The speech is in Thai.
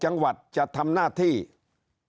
ตัวเลขการแพร่กระจายในต่างจังหวัดมีอัตราที่สูงขึ้น